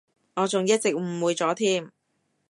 我仲一直誤會咗添